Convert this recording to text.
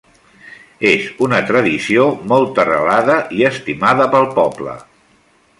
És una tradició molt arrelada i estimada pel poble.